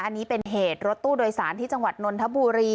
อันนี้เป็นเหตุรถตู้โดยสารที่จังหวัดนนทบุรี